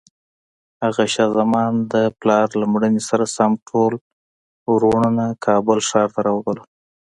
شاه زمان د پلار له مړینې سره سم ټول وروڼه کابل ښار ته راوبلل.